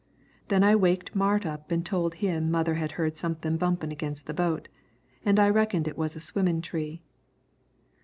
Then I waked Mart up an' told him mother heard somethin' bumpin' against the boat, an' I reckoned it was a swimmin' tree.